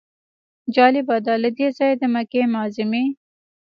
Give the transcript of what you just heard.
جالبه ده له دې ځایه د مکې معظمې.